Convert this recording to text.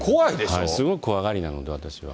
すごい怖がりなので、私は。